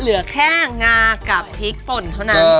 เหลือแค่งากับพริกป่นเท่านั้น